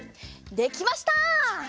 できました。